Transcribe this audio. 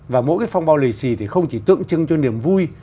và mỗi cái phong bao lì xì thì không chỉ tượng trưng cho niềm vui